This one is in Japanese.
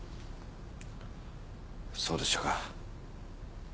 そうでしたか。